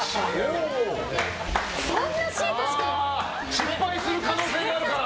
失敗する可能性があるから。